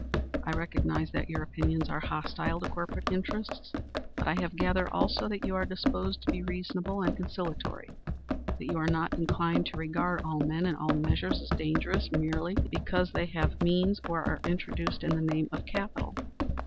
I recognize that your opinions are hostile to corporate interests, but I have gathered also that you are disposed to be reasonable and conciliatory; that you are not inclined to regard all men and all measures as dangerous, merely because they have means or are introduced in the name of capital."